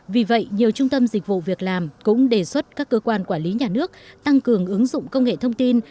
vì vậy nhiều trung tâm dịch vụ việc làm cũng đề xuất các cơ quan quản lý nhà nước tăng cường ứng dụng công nghệ thông tin